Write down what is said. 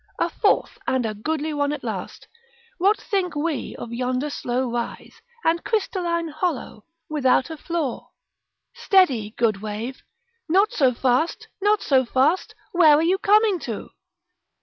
A fourth, and a goodly one at last. What think we of yonder slow rise, and crystalline hollow, without a flaw? Steady, good wave; not so fast; not so fast; where are you coming to?